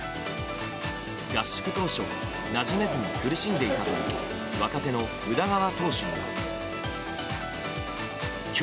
合宿当初なじめずに苦しんでいたという若手の宇田川投手に。